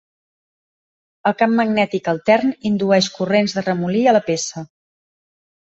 El camp magnètic altern indueix corrents de remolí a la peça.